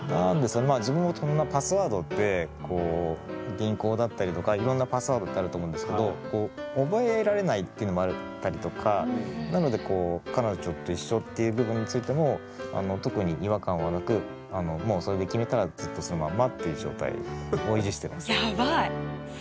自分もそんなパスワードって銀行だったりとかいろんなパスワードってあると思うんですけど覚えられないっていうのもあったりとかなのでこうそれで決めたらずっとそのまんまっていう状態を維持してますね。